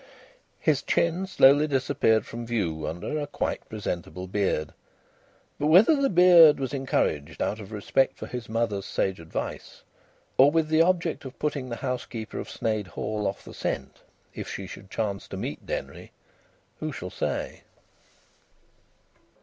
His chin slowly disappeared from view under a quite presentable beard. But whether the beard was encouraged out of respect for his mother's sage advice, or with the object of putting the housekeeper of Sneyd Hall off the scent, if she should chance to meet Denry, who shall say?